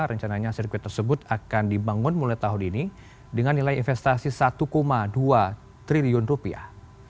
rencananya sirkuit tersebut akan dibangun mulai tahun ini dengan nilai investasi satu dua triliun rupiah